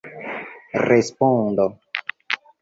respondo